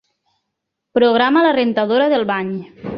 Programa la rentadora del bany.